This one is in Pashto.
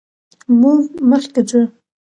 موږ مخکې ځو.